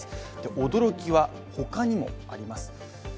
驚きは他にもあります。